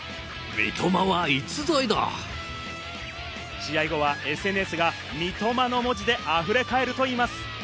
試合後はＳＮＳが「Ｍｉｔｏｍａ」の文字で溢れかえるといいます。